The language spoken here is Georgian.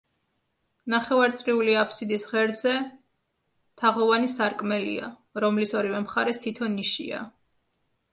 ნახევარწრიული აფსიდის ღერძზე თაღოვანი სარკმელია, რომლის ორივე მხარეს თითო ნიშია.